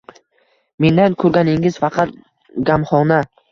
Mendan kurganingiz faqat gamhona